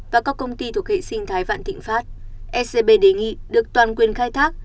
và các công ty thuộc hệ sinh thái vạn thịnh pháp scb đề nghị được toàn quyền khai thác